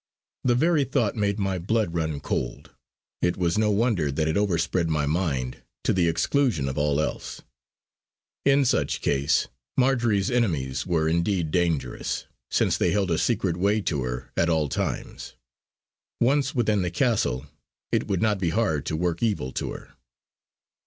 The very thought made my blood run cold; it was no wonder that it overspread my mind to the exclusion of all else. In such case Marjory's enemies were indeed dangerous, since they held a secret way to her at all times; once within the castle it would not be hard to work evil to her.